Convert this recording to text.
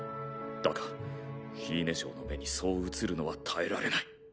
だがフィーネ嬢の目にそう映るのは耐えられない。